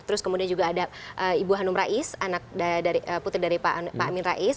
terus kemudian juga ada ibu hanum rais anak putri dari pak amin rais